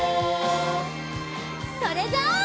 それじゃあ。